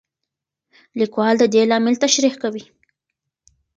لیکوال د دې لامل تشریح کوي.